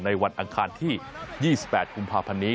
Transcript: วันอังคารที่๒๘กุมภาพันธ์นี้